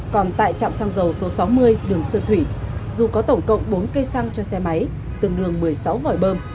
còn tại trạm xăng dầu số sáu mươi đường sơn thủy dù có tổng cộng bốn cây xăng cho xe máy tương đương một mươi sáu vòi bơm